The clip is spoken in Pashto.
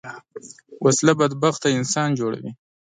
وسله بدبخته انسان جوړوي